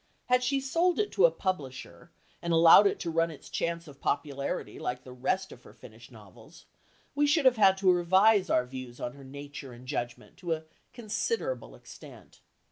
Had she sold it to a publisher, and allowed it to run its chance of popularity like the rest of her finished novels, we should have had to revise our views on her nature and judgment to a considerable extent.